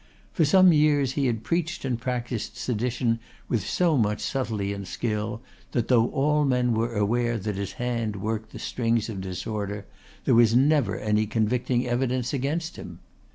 For some years he had preached and practised sedition with so much subtlety and skill that though all men were aware that his hand worked the strings of disorder there was never any convicting evidence against him.